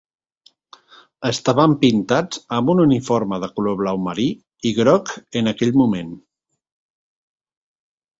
Estaven pintats amb un uniforme de color blau marí i groc en aquell moment.